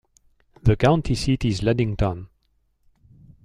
The county seat is Ludington.